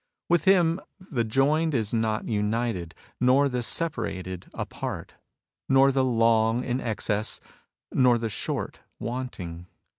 With him the joined is not united, nor the separated apart, nor the long in excess, nor the short wanting.